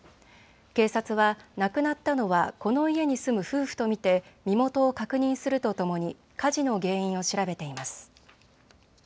警察は亡くなったのはこの家に住む夫婦と見て身元を確認するとともに火事の原因を調べています。